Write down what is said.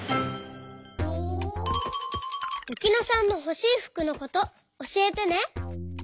ゆきのさんのほしいふくのことおしえてね。